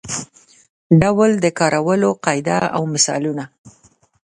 ډول د کارولو قاعده او مثالونه.